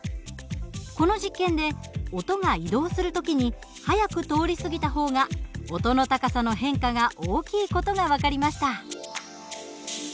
この実験で音が移動する時に速く通り過ぎた方が音の高さの変化が大きい事が分かりました。